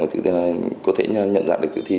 của tự thi có thể nhận dạng được tự thi